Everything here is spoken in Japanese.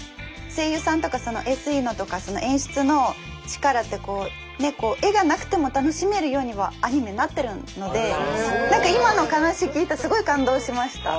声優さんとかＳＥとか演出の力って絵がなくても楽しめるようにはアニメなってるので何か今の話聞いてすごい感動しました。